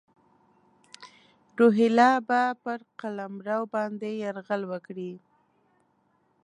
روهیله به پر قلمرو باندي یرغل وکړي.